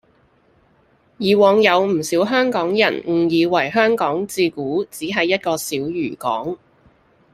以往有唔少香港人誤以為香港自古只係一個小漁港